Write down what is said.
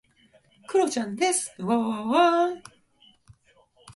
反抗期はありません